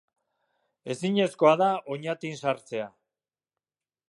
Ezinezkoa da Oñatin sartzea.